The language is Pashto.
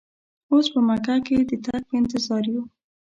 اوس په مکه کې د تګ په انتظار یو.